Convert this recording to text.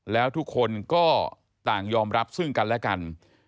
แล้วทุกคนก็ต่างยอมรับซึ่งกันและกัน